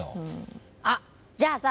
あっじゃあさ